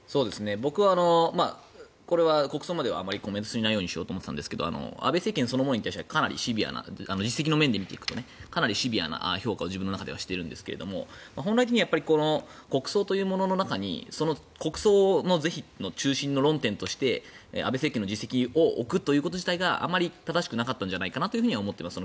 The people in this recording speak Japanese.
僕はこれは国葬まではあまりコメントしないようにしようと思っていたんですが安倍政権そのものに対しては実績の面で見ていくとかなりシビアな評価を自分の中ではしているんですが本来的には国葬というものの中にその国葬の是非の中心の論点として安倍政権の実績を置くということ自体があまり正しくなかったんじゃないかなとは思っています。